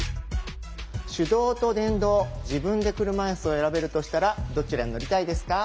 手動と電動自分で車いすを選べるとしたらどちらに乗りたいですか？